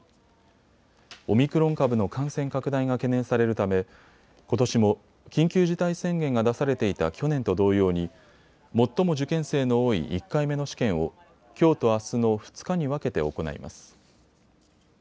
オミクロン株の感染拡大が懸念されるためことしも緊急事態宣言が出されていた去年と同様に最も受験生の多い１回目の試験をきょうとあすの２日に分けて行います。